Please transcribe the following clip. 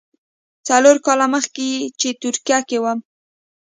څلور کاله مخکې چې ترکیه کې وم.